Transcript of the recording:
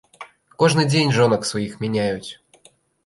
Кожны дзень жонак сваіх мяняюць.